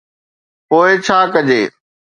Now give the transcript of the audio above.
پوءِ ڇا ڪجي؟